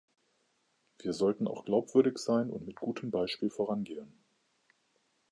Wir sollten auch glaubwürdig sein und mit gutem Beispiel vorangehen.